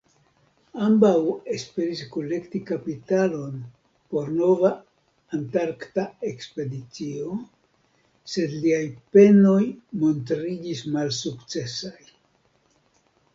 Ambaŭ esperis kolekti kapitalon por nova antarkta ekspedicio, sed liaj penoj montriĝis malsukcesaj.